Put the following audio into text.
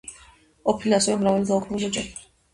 ყოფილა ასევე მრავალი გაუქმებული ოჯახი იმ დროისთვის.